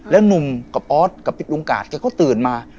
แล้วหนุ่มกับออสกับลุงกาดแกก็ตื่นมา